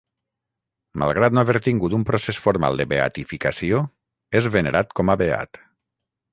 Malgrat no haver tingut un procés formal de beatificació, és venerat com a beat.